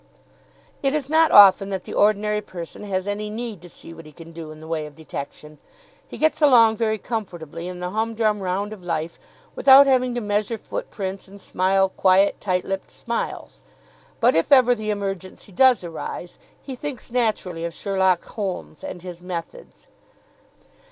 It is not often that the ordinary person has any need to see what he can do in the way of detection. He gets along very comfortably in the humdrum round of life without having to measure footprints and smile quiet, tight lipped smiles. But if ever the emergency does arise, he thinks naturally of Sherlock Holmes, and his methods.